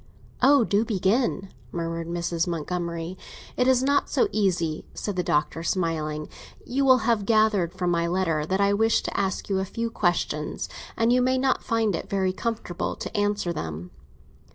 "Oh, do begin!" murmured Mrs. Montgomery. "It is not so easy," said the Doctor, smiling. "You will have gathered from my letter that I wish to ask you a few questions, and you may not find it very comfortable to answer them."